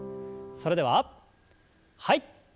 それでははい。